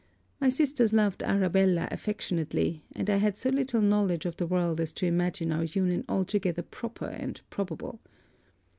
My sisters loved Arabella affectionately; and had so little knowledge of the world as to imagine our union altogether proper and probable.